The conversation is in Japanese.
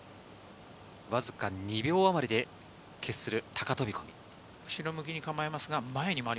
わずか２秒あまりで決する高飛び。